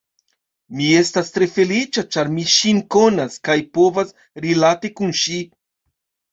Mi estas tre feliĉa, ĉar mi ŝin konas kaj povas rilati kun ŝi.